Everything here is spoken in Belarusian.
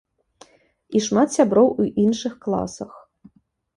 І шмат сяброў у іншых класах.